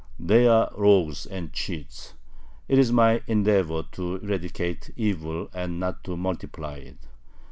They are rogues and cheats. It is my endeavor to eradicate evil and not to multiply it.